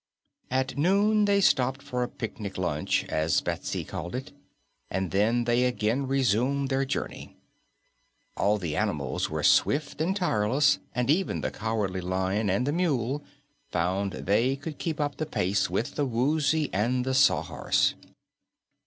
At noon they stopped for a "picnic luncheon," as Betsy called it, and then they again resumed their journey. All the animals were swift and tireless, and even the Cowardly Lion and the Mule found they could keep up with the pace of the Woozy and the Sawhorse.